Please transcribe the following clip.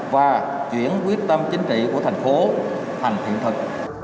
và chuyển quyết tâm chính trị của thành phố thành hiện thực